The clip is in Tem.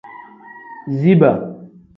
Ziba.